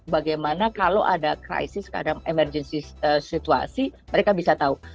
bagaimana kalau ada krisis kadang emergency situasi mereka bisa tahu